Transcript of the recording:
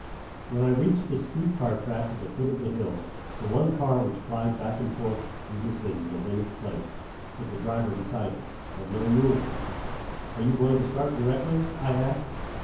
When I reached the street car track at the foot of the hill, the one car which plies back and forth through the city was in its place, with the driver beside it, but no mules. "Are you going to start directly?" I asked.